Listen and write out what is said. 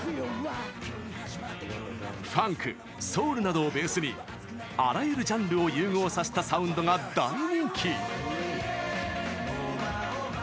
ファンク、ソウルなどをベースにあらゆるジャンルを融合させたサウンドが大人気。